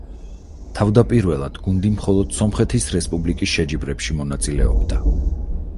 თავდაპირველად გუნდი მხოლოდ სომხეთის რესპუბლიკის შეჯიბრებში მონაწილეობდა.